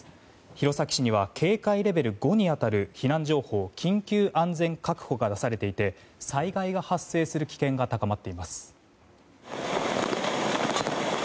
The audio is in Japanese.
弘前市には警戒レベル５に当たる避難情報緊急安全確保が出されていて災害が発生する危険が高まっています。